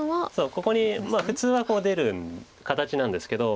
ここに普通はこう出る形なんですけど。